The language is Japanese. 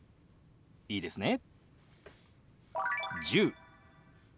いいですね？